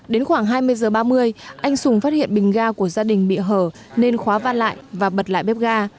đến khoảng hai mươi h ba mươi anh sùng phát hiện bình ga của gia đình bị hở nên khóa van lại và bật lại bếp ga